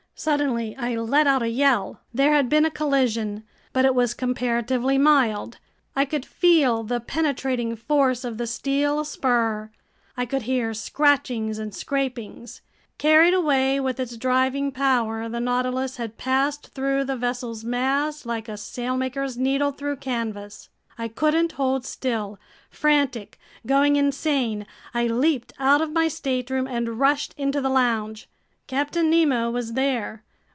Suddenly I let out a yell. There had been a collision, but it was comparatively mild. I could feel the penetrating force of the steel spur. I could hear scratchings and scrapings. Carried away with its driving power, the Nautilus had passed through the vessel's mass like a sailmaker's needle through canvas! I couldn't hold still. Frantic, going insane, I leaped out of my stateroom and rushed into the lounge. Captain Nemo was there.